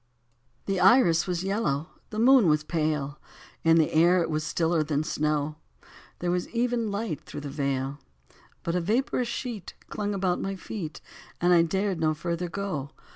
63 THE iris was yellow, the moon was pale, In the air it was stiller than snow, There was even light through the vale, But a vaporous sheet Clung about my feet. And I dared no further go.